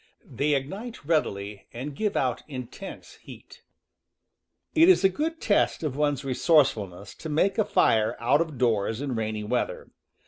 They ignite readily and give out intense heat. It is a good test of one's resourcefulness to make a fire out of doors in rainy weather.